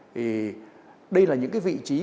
thì đây là những cái vị trí